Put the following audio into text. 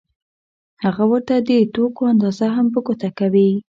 هغه ورته د توکو اندازه هم په ګوته کوي